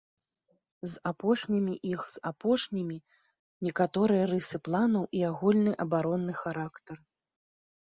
З апошнімі іх з апошнімі некаторыя рысы планаў і агульны абаронны характар.